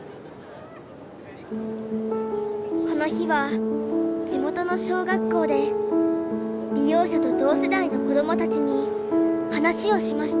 この日は地元の小学校で利用者と同世代の子どもたちに話をしました。